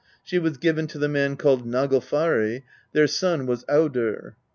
She was given to the man named Naglfari ; their son was Audr.